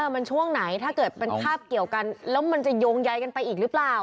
มันช่วงไหนถ้าเกิดเป็นภาพเกี่ยวกันแล้วมันจะโยงใยกันไปอีกหรือเปล่า